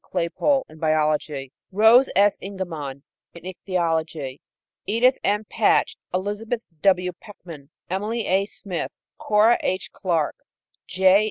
Claypole in biology; Rose S. Eigenman in icthyology; Edith M. Patch, Elizabeth W. Peckham, Emily A. Smith, Cora H. Clarke, J.